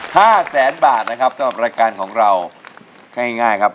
ห้าแสนบาทนะครับสำหรับรายการของเราให้ง่ายง่ายครับ